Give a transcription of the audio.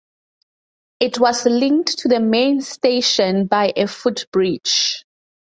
It was linked to the main station by a footbridge.